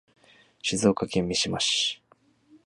静岡県三島市